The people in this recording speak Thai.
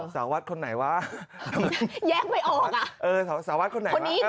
อ่อสาวัสดิ์คนไหนวะแยกไปออกอ่ะเออสาวัดคนไหนวะ